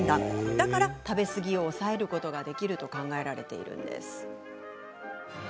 だから食べ過ぎを抑えることができると考えられるんです。